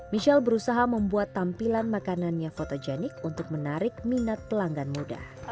michelle berusaha membuat tampilan makanannya fotogenik untuk menarik minat pelanggan muda